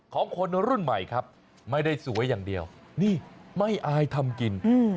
ของคนรุ่นใหม่ครับไม่ได้สวยอย่างเดียวนี่ไม่อายทำกิน